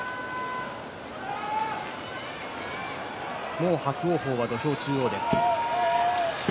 もう伯桜鵬は土俵中央です。